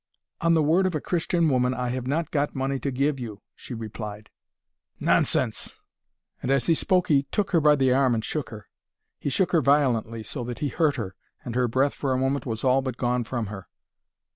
"On the word of a Christian woman I have not got money to give you," she replied. "Nonsense!" And as he spoke he took her by the arm and shook her. He shook her violently so that he hurt her, and her breath for a moment was all but gone from her.